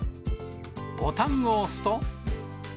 ボタンを押すと。